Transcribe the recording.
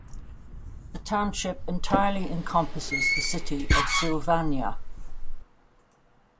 The township entirely encompasses the city of Sylvania.